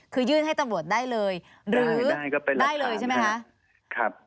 คือยื่นให้ตำรวจได้เลยหรือได้เลยใช่ไหมคะ